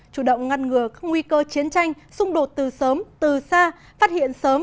chủ động ngăn ngừa các nguy cơ chiến tranh xung đột từ sớm từ xa phát hiện sớm